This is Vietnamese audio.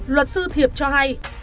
luật sư thiệp cho hay